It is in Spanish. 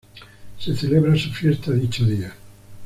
Se celebra su fiesta dicho día.